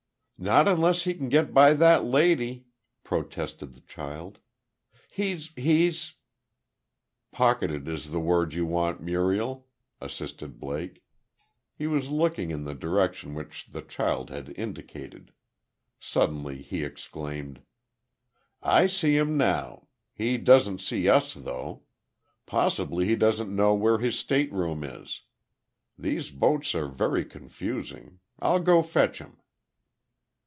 "Not unless he can get by that lady," protested the child. "He's he's " "Pocketed is the word you want, Muriel," assisted Blake. He was looking in the direction which the child had indicated. Suddenly, he exclaimed: "I see him now. He doesn't see us, though. Possibly he doesn't know where his stateroom is. These boats are very confusing. I'll go fetch him."